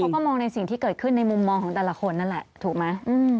เขาก็มองในสิ่งที่เกิดขึ้นในมุมมองของแต่ละคนนั่นแหละถูกไหม